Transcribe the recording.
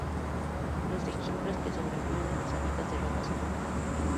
Los ejemplos que sobreviven en los hábitats de roca son muy pocos.